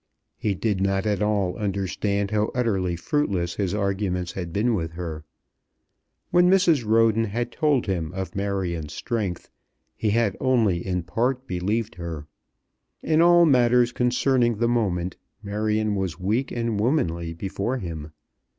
He did not at all understand how utterly fruitless his arguments had been with her. When Mrs. Roden had told him of Marion's strength he had only in part believed her. In all matters concerning the moment Marion was weak and womanly before him.